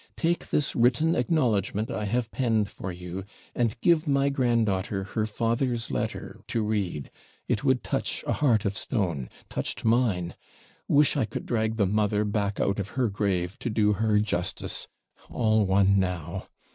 Take this written acknowledgment I have penned for you, and give my grand daughter her father's letter to read it would touch a heart of stone touched mine wish I could drag the mother back out of her grave, to do her justice all one now.